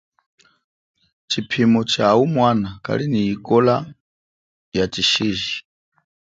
Tshiphimo tshawumwana kali nyi ikola ya tshishiji.